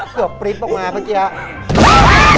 เกือบปริ๊บออกมาพอเกียร์